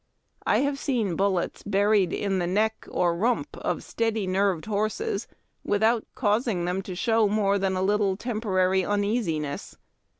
I have seen bullets buried in the neck or rump of steady nerved horses without causing them to show more than a little temporary uneasiness.